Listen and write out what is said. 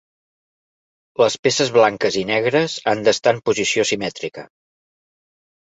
Les peces blanques i negres han d'estar en posició simètrica.